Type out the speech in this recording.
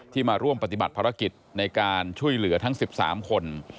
มาร่วมปฏิบัติภารกิจในการช่วยเหลือทั้ง๑๓คน